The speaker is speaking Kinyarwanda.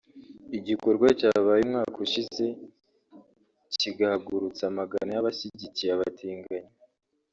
igikorwa cyabaye umwaka ushize kigahagurutsa amagana y’abashyigikiye abatinganyi